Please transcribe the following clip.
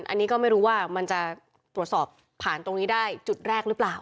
อันนี้ก็ไม่รู้ว่ามันจะตรวจสอบผ่านตรงนี้ได้จุดแรกหรือเปล่า